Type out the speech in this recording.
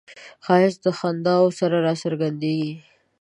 ښایست د خنداوو سره راڅرګندیږي